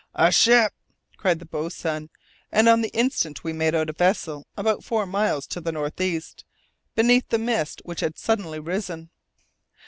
"A ship!" cried the boatswain, and on the instant we made out a vessel about four miles to the north east, beneath the mist which had suddenly risen.